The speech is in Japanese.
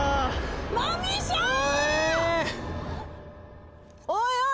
マミショー！！